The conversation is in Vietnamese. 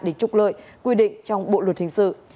để trục lợi quy định trong bộ luật hình sự